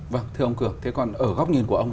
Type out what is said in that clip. vâng thưa ông cường thế còn ở góc nhìn của ông